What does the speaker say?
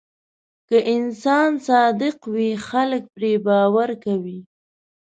که انسان صادق وي، خلک پرې باور کوي.